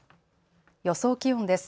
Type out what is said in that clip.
予想気温です。